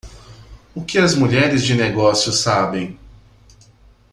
O que as mulheres de negócios sabem?